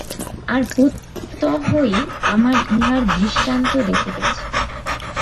আর প্রত্যহই আমরা ইহার দৃষ্টান্ত দেখিতেছি।